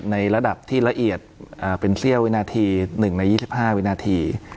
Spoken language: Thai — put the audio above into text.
ในระดับที่ละเอียดเป็นเสี้ยววินาที๑ใน๒๕วินาที